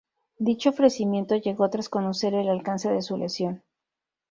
Dicho ofrecimiento llegó tras conocer el alcance de su lesión.